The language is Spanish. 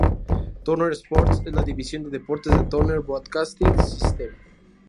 Turner Sports es la división de deportes de Turner Broadcasting System.